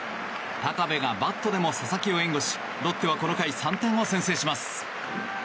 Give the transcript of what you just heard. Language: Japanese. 高部がバットでも佐々木を援護しロッテはこの回、３点を先制します。